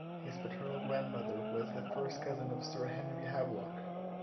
His paternal grandmother was a first cousin of Sir Henry Havelock.